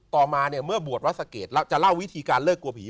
ต่อมาเนี่ยเมื่อบวชวัดสะเกดแล้วจะเล่าวิธีการเลิกกลัวผี